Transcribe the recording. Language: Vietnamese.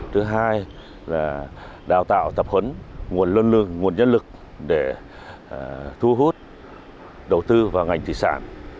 thứ hai là đào tạo tập huấn nguồn nhân lực để thu hút đầu tư vào ngành thủy sản